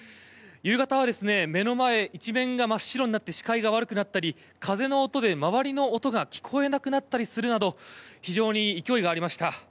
夕方は目の前一面が真っ白になって視界が悪くなったり風の音で周りの音が聞こえなくなったりするなど非常に勢いがありました。